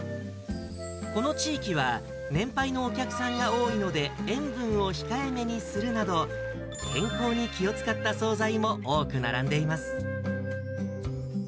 この地域は年配のお客さんが多いので、塩分を控えめにするなど、健康に気を遣った総菜も多く並んでいます。